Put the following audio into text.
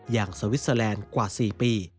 อย่างสวิสเตอร์แลนด์กว่า๔ปี